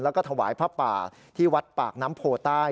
แล้วก็ถวายผ้าป่าที่วัดปากน้ำโพใต้